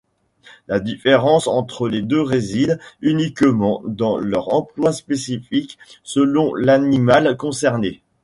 La différence entre les deux réside uniquement dans leur emploi spécifique selon l'animal concerné.